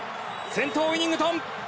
先頭、ウィニングトン。